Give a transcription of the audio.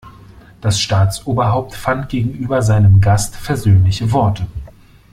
Das Staatsoberhaupt fand gegenüber seinem Gast versöhnliche Worte.